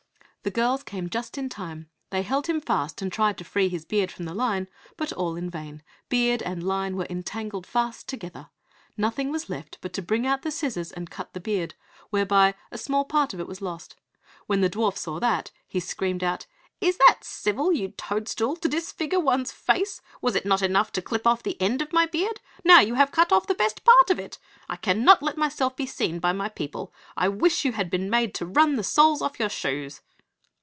The girls came just in time; they held him fast and tried to free his beard from the line, but all in vain, beard and line were entangled fast together. Nothing was left but to bring out the scissors and cut the beard, whereby a small part of it was lost. When the dwarf saw that he screamed out, "Is that civil, you toad stool, to disfigure one's face? Was it not enough to clip off the end of my beard? Now you have cut off the best part of it. I cannot let myself be seen by my people. I wish you had been made to run the soles off your shoes!"